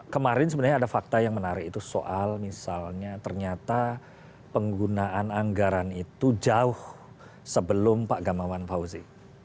kemarin sebenarnya ada fakta yang menarik itu soal misalnya ternyata penggunaan anggaran itu jauh sebelum pak gamawan fauzi